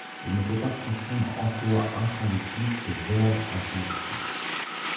Il ne faut pas confondre emploi intransitif et verbe intransitif.